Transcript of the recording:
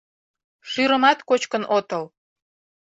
Шӱрымат кочкын отыл.